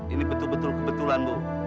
ini betul betul kebetulan bu